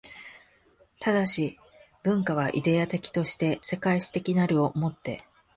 但、文化はイデヤ的として世界史的なるを以て